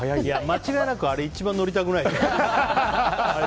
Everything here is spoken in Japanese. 間違いなくあれ一番乗りたくない。